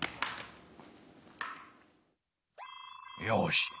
よし。